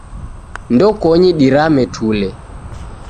Ndokonyi dirame tule.